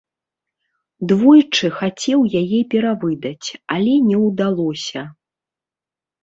Двойчы хацеў яе перавыдаць, але не ўдалося.